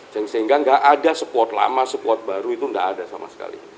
sehingga gak ada squad lama squad baru itu gak ada sama sekali